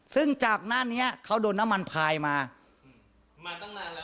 ซึ่งจากหน้านี้เขาโดนน้ำมันพายมามาตั้งนานแล้ว